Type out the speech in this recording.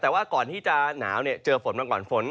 แต่ว่าก่อนที่จะหนาวเจอฝนมาก่อนฝน